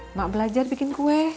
emak belajar bikin kue